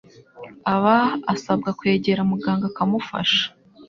aba asabwa kwegera muganga akamufasha.